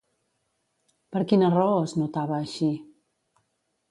Per quina raó es notava així?